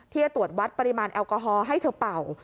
ที่จะตรวจวัดปริมาณแอลกอฮอล์ให้เธอเป่า